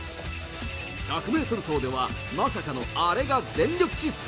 １００メートル走では、まさかのあれが全力疾走？